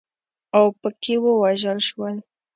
اوپکي ووژل شول.